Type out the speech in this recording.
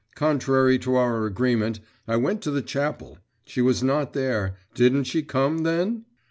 Contrary to our agreement, I went to the chapel; she was not there; didn't she come, then?